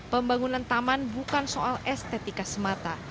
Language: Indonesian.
pembangunan taman bukan soal estetika semata